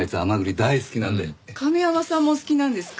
亀山さんもお好きなんですか？